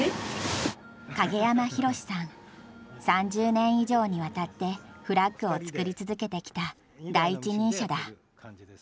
３０年以上にわたってフラッグを作り続けてきた第一人者だ。